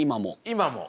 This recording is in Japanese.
今も。